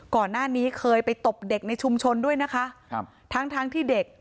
ก่อนหน้านี้เคยไปตบเด็กในชุมชนด้วยนะคะครับทั้งทั้งที่เด็ก